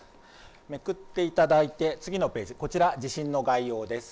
めくっていただいて次のページ、こちら地震の概要です。